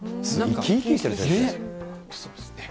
生き生きしてるね。